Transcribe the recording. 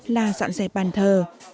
là dọn dẹp bàn thờ